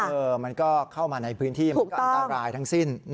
มันก็เข้ามาในพื้นที่มันก็อันตรายทั้งสิ้น